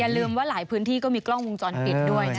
ลืมว่าหลายพื้นที่ก็มีกล้องวงจรปิดด้วยนะ